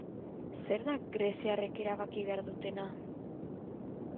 Zer da greziarrek erabaki behar dutena?